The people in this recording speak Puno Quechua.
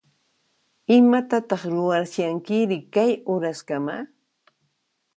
Imatataq ruwashankiri kay uraskama?